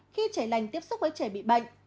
khi trẻ lành tiếp xúc với trẻ bị bệnh